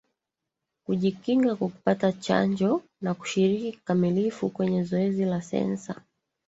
Kujikinga kwa kupata chanjo na kushiriki kikamilifu kwenye zoezi la Sensa